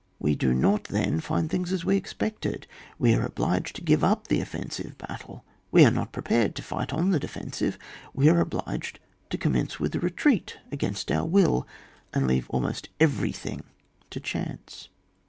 We do not, then, find t£ings as we expected ; we are obliged to give up the offensive battle, we are not prepared to fight on the defensive, we are obliged to com mence with a retreat against our will, and leave almost everything to chance.